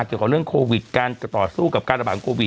เกี่ยวกับเรื่องโควิดการจะต่อสู้กับการระบาดโควิด